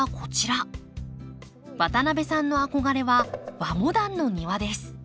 渡邊さんの憧れは和モダンの庭です。